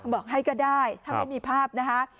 บอกให้ก็ได้ถ้าไม่มีภาพนะคะ